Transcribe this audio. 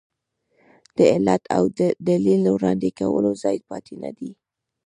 د علت او دلیل وړاندې کولو ځای پاتې نه دی.